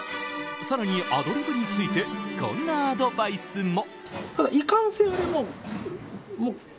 更に、アドリブについてこんなアドバイスも。